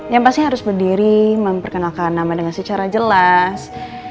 yang pasti harus berdiri memperkenalkan nama dengan secara jelas